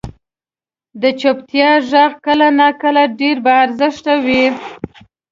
• د چپتیا ږغ کله ناکله ډېر با ارزښته وي.